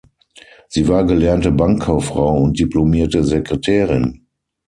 Sie war gelernte Bankkauffrau und diplomierte Sekretärin.